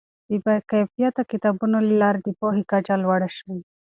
د باکیفیته کتابونو له لارې د پوهې کچه لوړه شي.